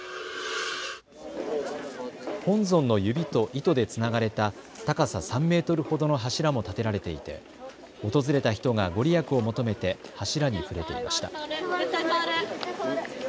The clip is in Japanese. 本尊の指と糸でつながれた高さ３メートルほどの柱も立てられていて訪れた人が御利益を求めて柱に触れていました。